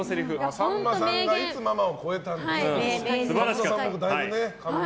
さんまさんがいつママを超えたんですかと。